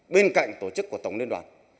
bên cạnh tổ chức của tổng liên đoàn